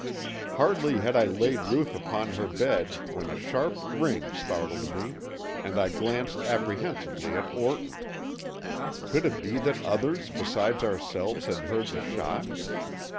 Hardly had I laid Ruth upon her bed when a sharp ring startled me, and I glanced apprehensively at Orton. Could it be that others besides ourselves had heard the shot?